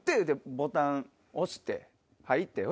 ボタン押して入って。